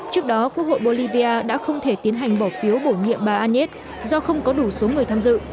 trước đó quốc hội bolivia đã không thể tiến hành bỏ phiếu bổ nhiệm bà anet do không có đủ số người tham dự